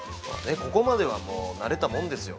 ここまではもうなれたもんですよ。